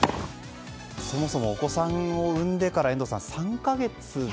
そもそもお子さんを生んでから３か月で。